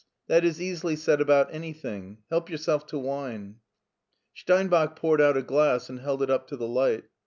That is easily said about an)rthing. Help yourself to wine." Steinbach poured out a glass and held it up to the light.